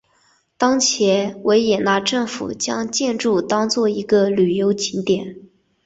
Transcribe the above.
当前维也纳政府将建筑当作一个旅游景点。